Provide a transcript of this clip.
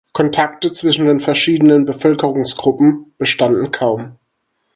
Kontakte zwischen den verschiedenen Bevölkerungsgruppen bestanden kaum.